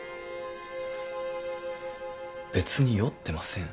別に酔ってません。